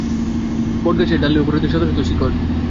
বটগাছের ডালের উপর হইতে শত শত শিকড় এবং হনুমানের লেজ ঝুলিতেছে।